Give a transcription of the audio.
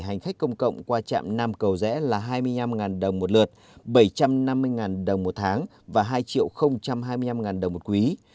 hành khách công cộng qua trạm nam cầu rẽ là hai mươi năm đồng một lượt bảy trăm năm mươi đồng một tháng và hai hai mươi năm đồng một quý